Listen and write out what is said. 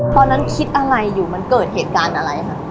ตอนนั้นคิดอะไรอยู่มันเกิดเหตุการณ์อะไรค่ะ